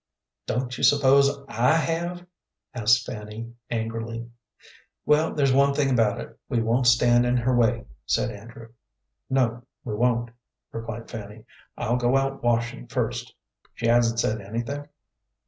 "Don't you suppose I have?" asked Fanny, angrily. "Well, there's one thing about it; we won't stand in her way," said Andrew. "No, we won't," replied Fanny. "I'll go out washing first." "She hasn't said anything?"